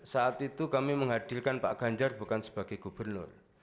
saat itu kami menghadirkan pak ganjar bukan sebagai gubernur